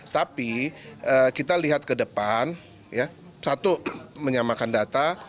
tapi kita lihat ke depan satu menyamakan data